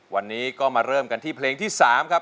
วันนี้ก็มาเริ่มกันที่เพลงที่๓ครับ